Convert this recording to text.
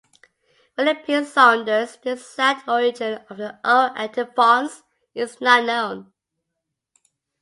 William P. Saunders, The exact origin of the O Antiphons is not known.